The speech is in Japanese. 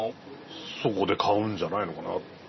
そこで買うんじゃないのかなって。